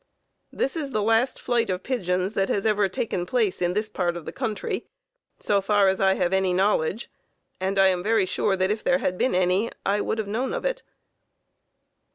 This is the last flight of pigeons that has ever taken place in this part of the country, so far as I have any knowledge, and I am very sure that if there had been any I would have known it.